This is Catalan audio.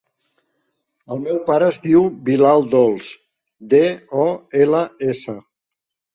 El meu pare es diu Bilal Dols: de, o, ela, essa.